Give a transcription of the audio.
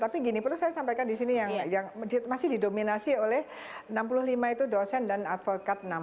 tapi gini perlu saya sampaikan di sini yang masih didominasi oleh enam puluh lima itu dosen dan advokat enam puluh